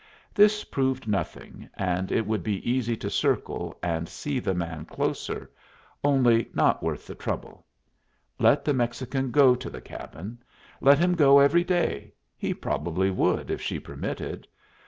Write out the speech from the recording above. This proved nothing, and it would be easy to circle and see the man closer only not worth the trouble. Let the Mexican go to the cabin. Let him go every day. He probably would, if she permitted.